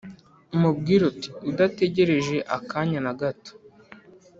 umubwire uti"udategereje akanya nagato